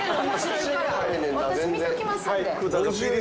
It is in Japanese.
私見ときますんで。